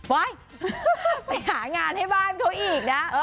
ไปหางานให้บ้านเขาอีกนะ